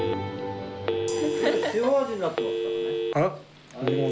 塩味になってますからね。